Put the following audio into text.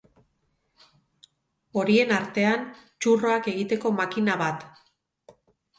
Horien artean, txurroak egiteko makina bat.